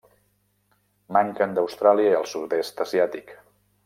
Manquen d'Austràlia i el sud-est asiàtic.